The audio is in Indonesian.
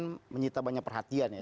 bpn ini kan menyita banyak perhatian ya